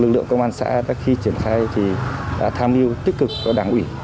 lực lượng công an xã đã khi triển khai thì đã tham dự tích cực đảng ủy